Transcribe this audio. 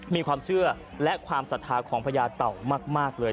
มีความเชื่อและความศรัทธาของพญาเต่ามากเลย